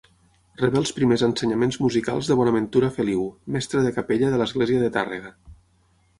Rebé els primers ensenyaments musicals de Bonaventura Feliu, mestre de capella de l'església de Tàrrega.